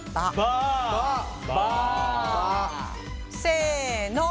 せの！